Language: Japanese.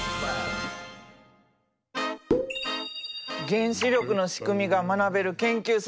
原子力の仕組みが学べる研究セットや。